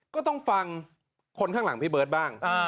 ก็ต้องฟังคนข้างหลังพี่เบิร์ตบ้าง